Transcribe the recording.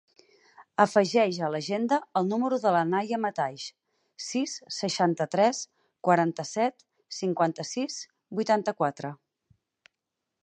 Afegeix a l'agenda el número de la Naia Mataix: sis, seixanta-tres, quaranta-set, cinquanta-sis, vuitanta-quatre.